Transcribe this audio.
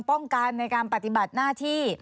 ป้องกันในการปฏิบัติหน้าที่